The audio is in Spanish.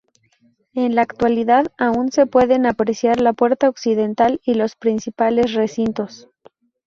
En la actualidad, aún se pueden apreciar la puerta occidental y los principales recintos.